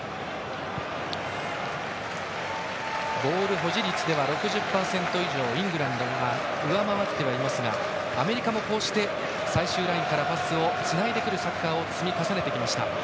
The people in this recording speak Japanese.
ボール保持率では６０％以上でイングランドが上回っていますがアメリカも最終ラインからパスをつないでくるサッカーを積み重ねてきました。